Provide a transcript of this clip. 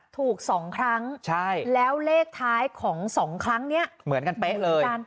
ถูก๒ครั้งแล้วเลขท้ายของ๒ครั้งนี้เหมือนกันเป๊ะเลย